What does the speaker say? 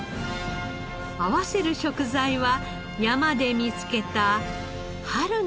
合わせる食材は山で見つけた春の野草。